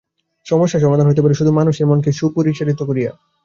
সমস্যার সমাধান হইতে পারে শুধু মানুষের মনকে সুপরিচালিত করিয়া।